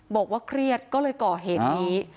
บอกว่าเครียดก็เลยก่อเหตุนี้